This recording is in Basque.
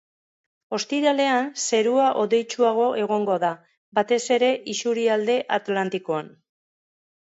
Ostiralean zerua hodeitsuago egongo da, batez ere isurialde atlantikoan.